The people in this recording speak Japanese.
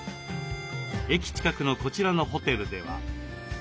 駅近くのこちらのホテルでは。